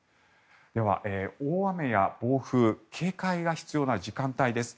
では大雨や暴風警戒が必要な時間帯です。